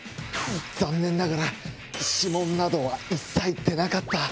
残念ながら指紋などは一切出なかった。